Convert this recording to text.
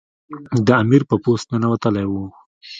د امیر په پوست ننوتلی وو.